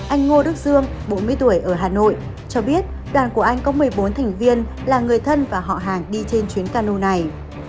anh ngô đức dương bốn mươi tuổi ở hà nội cho biết đoàn của anh có một mươi bốn thành viên là người thân và họ hàng đi trên chuyến cano này